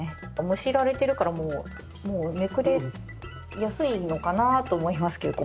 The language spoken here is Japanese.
むしられているからめくれやすいのかなと思いますけど。